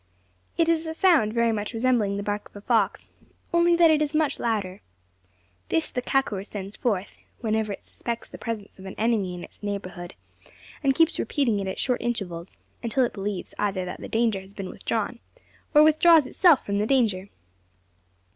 It is a sound very much resembling the bark of a fox, only that it is much louder. This the kakur sends forth, whenever it suspects the presence of an enemy in its neighbourhood; and keeps repeating it at short intervals, until it believes either that the danger has been withdrawn, or withdraws itself from the danger.